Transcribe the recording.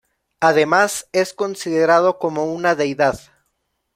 Además, es considerado como una deidad.